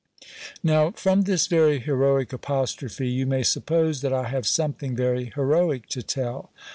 Now, from this very heroic apostrophe, you may suppose that I have something very heroic to tell.